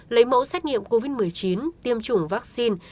lấy mẫu xét nghiệm covid một mươi chín tiêm chủng vaccine